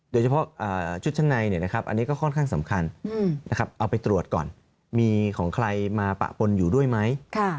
โดยเฉพาะชุดชั้นในอันนี้ก็ค่อนข้างสำคัญเอาไปตรวจก่อนมีของใครมาปะปนอยู่ด้วยไหม